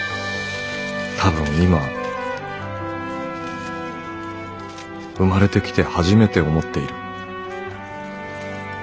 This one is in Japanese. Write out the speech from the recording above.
多分今生まれてきてはじめて思っている」。